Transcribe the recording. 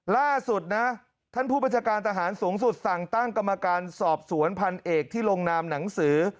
ล่าสุดนะท่านผู้บัญชาการทหารสูงสุดสั่งตั้งกรรมการสอบสวนพันเอกที่ลงนามหนังสือ